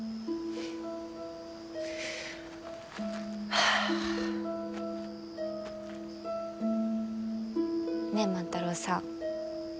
はあ。ねえ万太郎さん。